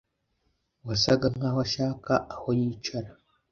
wasaga nkaho ashaka aho yicara